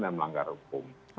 dan melanggar hukum